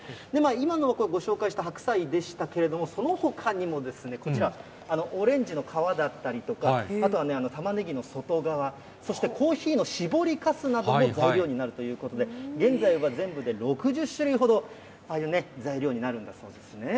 今、ご紹介した白菜でしたけれども、そのほかにもこちら、オレンジの皮だったりとか、あとはたまねぎの外側、そしてコーヒーの搾りかすなども材料になるということで、現在は全部で６０種類ほど、ああいう材料になるんだそうですね。